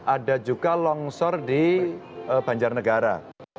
ada juga longsor di banjarnegara